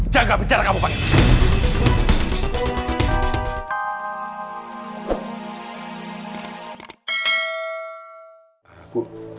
jaga bicara kamu pak